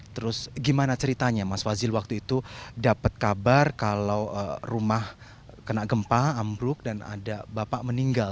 terus gimana ceritanya mas fazil waktu itu dapat kabar kalau rumah kena gempa ambruk dan ada bapak meninggal